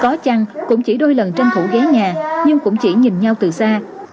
có chăng cũng chỉ đôi lần tranh thủ ghế nhà nhưng cũng chỉ nhìn nhau từ xa